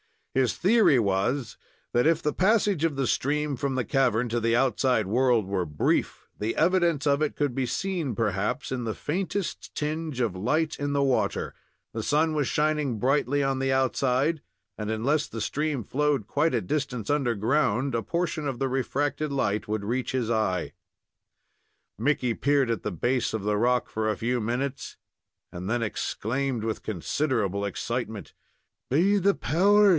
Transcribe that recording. His theory was that, if the passage of the stream from the cavern to the outside world were brief, the evidence of it could be seen, perhaps, in the faintest tinge of light in the water, The sun was shining brightly on the outside, and unless the stream flowed quite a distance under ground, a portion of the refracted light would reach his eye. Mickey peered at the base of the rock for a few minutes, and then exclaimed, with considerable excitement: "Be the powers!